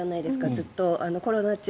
ずっと、コロナ中。